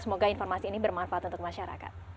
semoga informasi ini bermanfaat untuk masyarakat